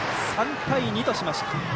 ３対２としました。